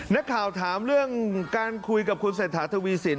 นักข่าวถามเรื่องการคุยกับคุณเศรษฐาทวีสิน